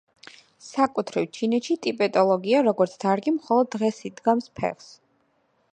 საკუთრივ ჩინეთში ტიბეტოლოგია როგორც დარგი მხოლოდ დღეს იდგამს ფეხს.